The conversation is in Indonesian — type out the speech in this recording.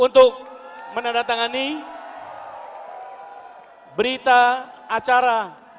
untuk menandatangani berita acara